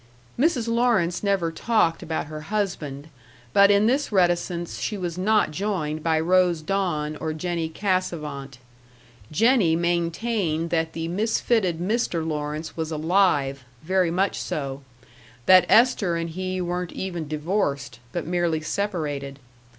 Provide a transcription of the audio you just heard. Mrs. Lawrence never talked about her husband, but in this reticence she was not joined by Rose Dawn or Jennie Cassavant. Jennie maintained that the misfitted Mr. Lawrence was alive, very much so; that Esther and he weren't even divorced, but merely separated.